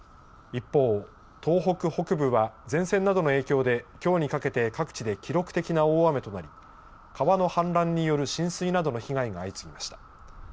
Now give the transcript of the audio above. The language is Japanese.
一方、東北北部は前線などの影響できょうにかけて各地で記録的な大雨となり川の氾濫による浸水などの被害が相次ぎました。